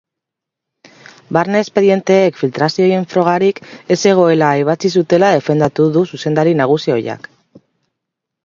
Barne espedienteek filtrazioen frogarik ez zegoela ebatzi zutela defendatu du zuzendari nagusi ohiak.